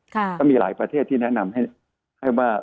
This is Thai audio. ก็มีหลายประเทศที่แนะนำให้ว่า